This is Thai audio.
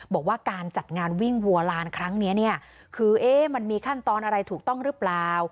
บอกว่าการจัดงานวิ่งวัวลานครั้งนี้เนี่ยคือมันมีขั้นตอนอะไรถูกต้องหรือเปล่า